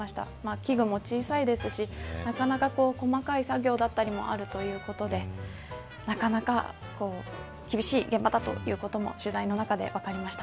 器具も小さいですしなかなか細かい作業だったりもあるということでなかなか厳しい現場だということも取材の中で分かりました。